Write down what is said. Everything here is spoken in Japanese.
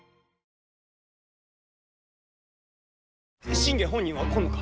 信玄本人は来んのか？